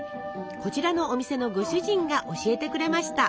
こちらのお店のご主人が教えてくれました。